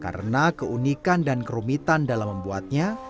karena keunikan dan kerumitan dalam membuatnya